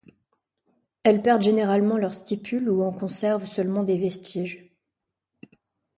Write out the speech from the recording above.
Elles perdent généralement leurs stipules ou en conservent seulement des vestiges.